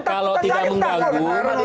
kalau tidak mengganggu